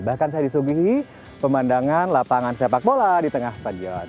bahkan saya disuguhi pemandangan lapangan sepak bola di tengah stadion